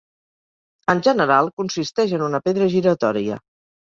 En general, consisteix en una pedra giratòria.